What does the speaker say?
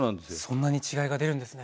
そんなに違いが出るんですね。